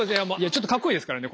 ちょっとかっこいいですからね。